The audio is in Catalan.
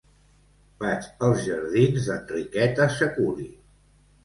Vaig als jardins d'Enriqueta Sèculi.